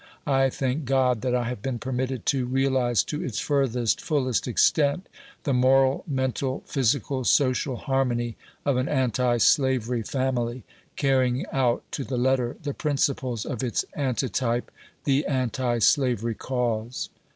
I thank God that I have been permitted to realize to its furthest, fullest extent, the moral, mental, phys ical, social harmony of an Anti Slavery family, carrying out to the letter the principles of its antetype, the Anti Slavery cause.